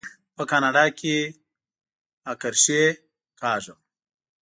په کاناډا کې اکرښې کاږم.